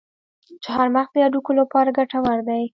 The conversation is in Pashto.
چارمغز د هډوکو لپاره ګټور دی.